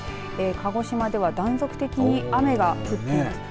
鹿児島では断続的に雨が降っています。